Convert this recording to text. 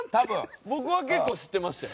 僕は結構知ってましたよ。